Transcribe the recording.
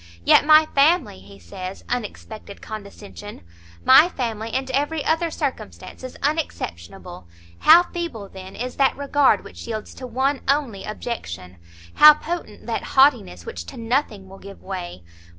Yet my family, he says, unexpected condescension! my family and every other circumstance is unexceptionable; how feeble, then, is that regard which yields to one only objection! how potent that haughtiness which to nothing will give way!